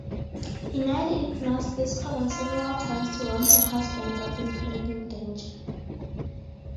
Enide ignores this command several times to warn her husband of impending danger.